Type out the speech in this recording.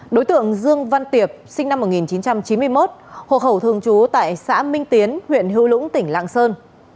đối tượng dương văn tiệp sinh năm một nghìn chín trăm chín mươi một hộ khẩu thường trú tại xã minh tiến huyện hữu lũng tỉnh lạng sơn